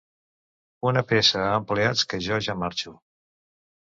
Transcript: Una peça a empleats, que jo ja marxo.